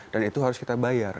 dan itu harus kita bayar